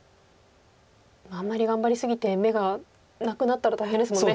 あんまり頑張り過ぎて眼がなくなったら大変ですもんね。